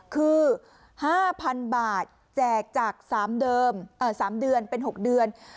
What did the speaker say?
คือ๕๐๐๐บาทแจกจาก๓เดิม๓เดือนเป็น๖เดือน